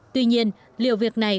tuy nhiên liệu việc này